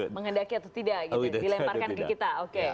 mengendaki atau tidak gitu dilemparkan ke kita